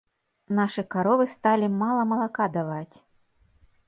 Нашы каровы сталі мала малака даваць.